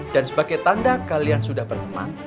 dan sebagai tanda kalian sudah berteman